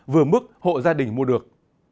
vừa mức hộ gia đình mua được